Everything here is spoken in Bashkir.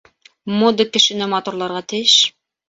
Мода кешене матурларға тейеш.